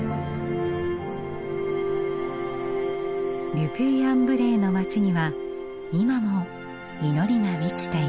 ル・ピュイ・アン・ヴレイの街には今も祈りが満ちています。